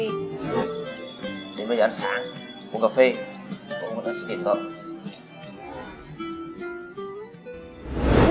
đến bây giờ ăn sáng uống cà phê tôi vẫn phải xin tiền vợ